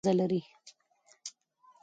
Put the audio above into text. دښتې د امنیت په اړه اغېز لري.